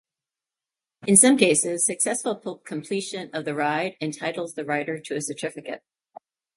In some cases, successful completion of the ride entitles the rider to a certificate.